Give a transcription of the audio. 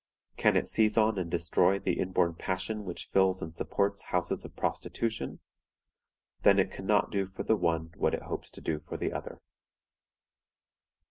Can it seize on and destroy the inborn passion which fills and supports houses of prostitution? Then it can not do for the one what it hopes to do for the other.